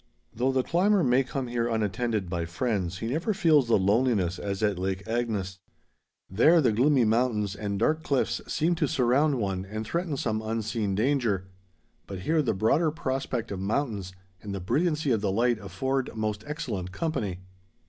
Though the climber may come here unattended by friends, he never feels the loneliness as at Lake Agnes. There the gloomy mountains and dark cliffs seem to surround one and threaten some unseen danger, but here the broader prospect of mountains and the brilliancy of the light afford most excellent company.